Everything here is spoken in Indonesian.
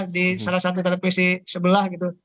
di salah satu televisi sebelah gitu